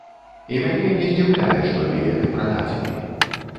І мяне не здзіўляе, што білеты прададзены.